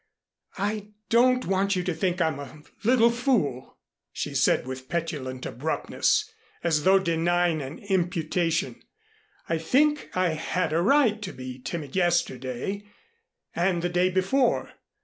"I don't want you to think I'm a little fool," she said with petulant abruptness, as though denying an imputation. "I think I had a right to be timid yesterday and the day before.